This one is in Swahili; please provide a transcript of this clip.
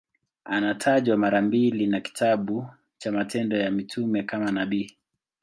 Anatajwa mara mbili na kitabu cha Matendo ya Mitume kama nabii.